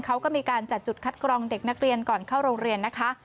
เขาก็มีการจัดจุดคัดกรองเด็กนักเรียนก่อนเข้าโรงเรียนนะคะ